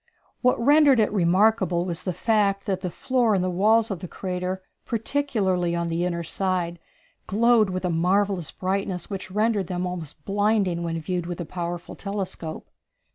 What rendered it remarkable was the fact that the floor and the walls of the crater, particularly on the inner side, glowed with a marvellous brightness which rendered them almost blinding when viewed with a powerful telescope.